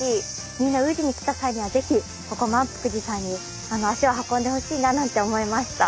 みんな宇治に来た際には是非ここ萬福寺さんに足を運んでほしいななんて思いました。